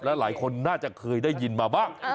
หลายคนน่าจะเคยได้ยินมาบ้าง